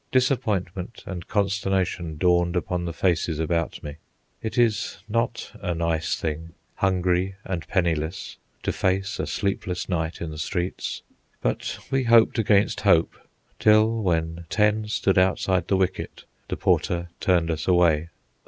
Disappointment and consternation dawned upon the faces about me. It is not a nice thing, hungry and penniless, to face a sleepless night in the streets. But we hoped against hope, till, when ten stood outside the wicket, the porter turned us away.